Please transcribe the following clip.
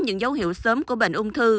những dấu hiệu sớm của bệnh ung thư